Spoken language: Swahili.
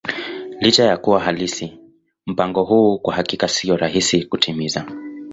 Licha ya kuwa halisi, mpango huu kwa hakika sio rahisi kutimiza.